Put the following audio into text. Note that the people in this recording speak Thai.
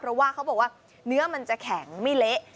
เพราะว่าเขาบอกว่าเนื้อมันจะแข็งไม่เละ